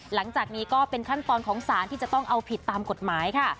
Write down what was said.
หลังจากนี้ก็เป็นขั้นตอนของสารที่จะต้องเอาผิดตามกฎหมายค่ะ